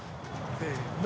せの。